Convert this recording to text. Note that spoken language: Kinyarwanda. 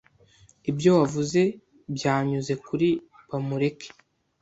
Ibyo wavuze byanyuze kuri Bamureke.